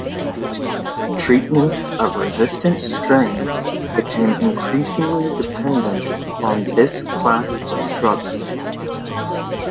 Treatment of resistant strains became increasingly dependent on this class of drugs.